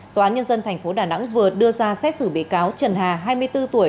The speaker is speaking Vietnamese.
tòa án nhân dân tp đà nẵng vừa đưa ra xét xử bị cáo trần hà hai mươi bốn tuổi